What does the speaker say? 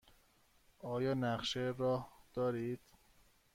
آیا نقشه راه دارید؟